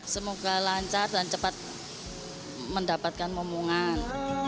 semoga lancar dan cepat mendapatkan omongan